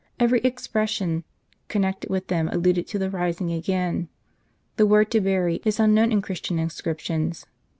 Every expres sion connected with them alluded to the rising again. The word to bury is unknown in Christian inscriptions.